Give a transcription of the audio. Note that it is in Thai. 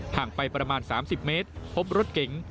ห่างไปประมาณ๓๐เมตรพบรถเก๋ง